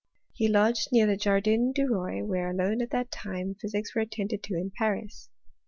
He lodged near the Jardin du Roi, where alone, at that time, physics were attended to in Paris.